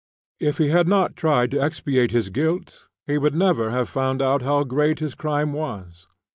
If he had not tried to expiate his guilt he would never have found out how great his crime was.